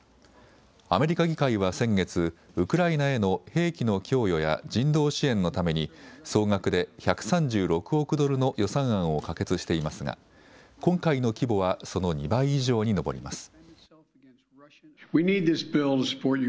アメリカ議会は先月、ウクライナへの兵器の供与や人道支援のために総額で１３６億ドルの予算案を可決していますが今回の規模はその２倍以上に上ります。